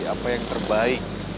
apa yang terbaik